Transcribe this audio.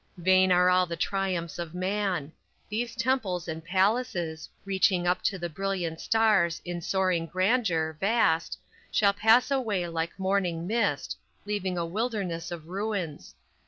Vain are all the triumphs of man. These temples and palaces, Reaching up to the brilliant stars In soaring grandeur, vast Shall pass away like morning mist, Leaving a wilderness of ruins.